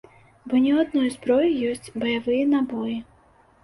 Бо не ў адной зброі ёсць баявыя набоі.